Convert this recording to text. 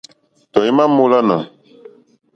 Tɔ̀ímá mǃólánà.